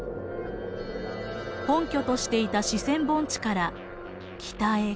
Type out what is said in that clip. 本拠としていた四川盆地から北へ北へ。